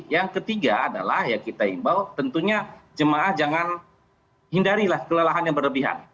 yang ketiga adalah ya kita imbau tentunya jemaah jangan hindarilah kelelahan yang berlebihan